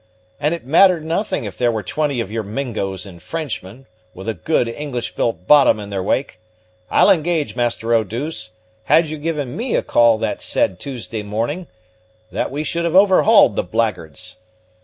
and it mattered nothing if there were twenty of your Mingos and Frenchmen, with a good British built bottom in their wake. I'll engage, Master Eau douce, had you given me a call that said Tuesday morning, that we should have overhauled the blackguards."